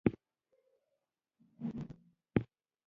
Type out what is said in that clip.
د مدرسي او ښوونځی ترمنځ ستونزه سیاسي ده.